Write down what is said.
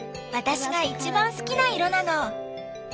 私が一番好きな色なの。